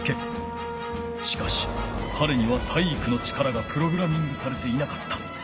しかしかれには体育の力がプログラミングされていなかった。